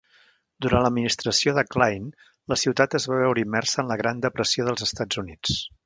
Durant l'administració de Kline, la ciutat es va veure immersa en la Gran Depressió dels Estats Units.